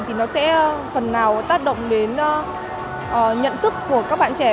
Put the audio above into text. thì nó sẽ phần nào tác động đến nhận thức của các bạn trẻ